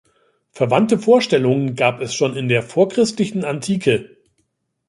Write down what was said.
Verwandte Vorstellungen gab es schon in der vorchristlichen Antike.